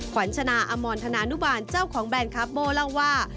ขวัญชนะอมรธนานุบาลเจ้าของแบรนด์คับโบ้เล่าว่า